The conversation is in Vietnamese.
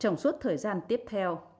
trong suốt thời gian tiếp theo